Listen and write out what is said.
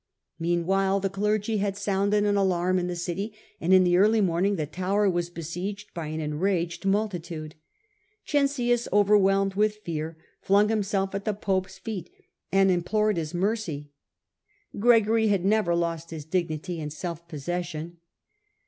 Meanwhile the clergy had sounded an alarm in the city, and in the early morning the tower was besieged by an enraged multitude. Cencius, overwhelmed with fear, flung himself at the pope's feet and implored his mercy. Gregory had never lost his dignity and self possession.